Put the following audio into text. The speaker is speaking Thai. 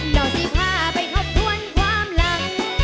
เจ้าสิพาไปทบทวนความหลัง